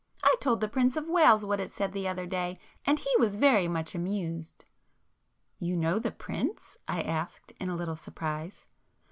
I told the Prince of Wales what it said the other day, and he was very much amused." "You know the Prince?" I asked, in a little surprise.